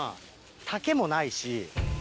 丈もないし。